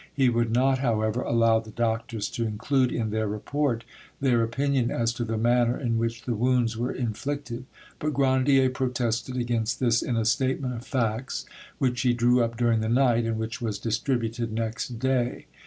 He would not, however, allow the doctors to include in their report their opinion as to the manner in which the wounds were inflicted; but Grandier protested against this in a Statement of Facts, which he drew up during the night, and which was distributed next day.